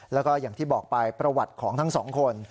แล้วก็อย่างที่บอกไปประวัติของทั้งสองคน